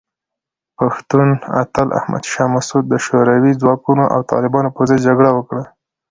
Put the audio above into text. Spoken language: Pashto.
پښتون اتل احمد شاه مسعود د شوروي ځواکونو او طالبانو پر ضد جګړه وکړه.